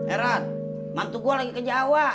eh rat mantu gue lagi ke jawa